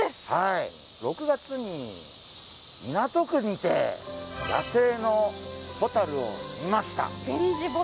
６日月に港区にて野生のホタルを見ました。